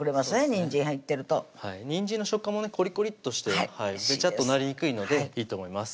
にんじん入ってるとにんじんの食感もねコリコリッとしてべちゃっとなりにくいのでいいと思います